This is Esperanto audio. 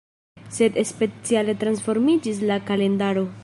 Sed speciale transformiĝis la kalendaro.